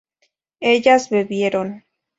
ellas bebieron